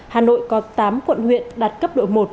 hà nội có tám quận huyện đạt cấp độ một